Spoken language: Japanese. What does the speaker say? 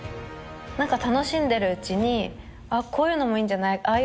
何か楽しんでるうちにあっこういうのもいいんじゃないああ